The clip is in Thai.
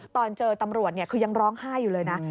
ตอนเจอตำรวจคือยังร้องไห้อยู่เลยนะ